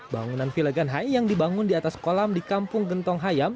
bangunan villagan hai yang dibangun di atas kolam di kampung gentong hayam